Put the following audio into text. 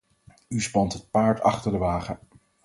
U spant het paard achter de wagen.